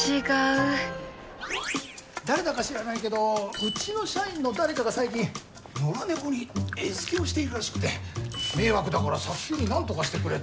誰だか知らないけどうちの社員の誰かが最近野良猫に餌付けをしているらしくて迷惑だから早急になんとかしてくれって近隣の人が。